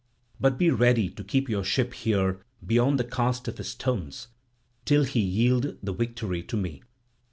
But be ready to keep your ship here beyond the cast of his stones, till he yield the victory to me."